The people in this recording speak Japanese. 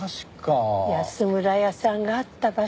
安村屋さんがあった場所。